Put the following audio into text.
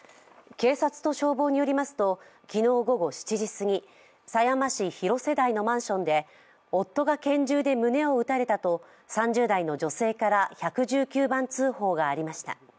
警察と消防によりますと、昨日午後７時すき狭山市広瀬台のマンションで夫が拳銃で胸を撃たれたと３０代の女性から１１９番通報がありました。